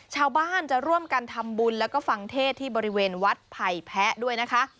ชาวบ้านจะร่วมกันทำบุญแล้วก็ฟังเทศที่บริเวณวัดไผ่แพ้ด้วยนะคะ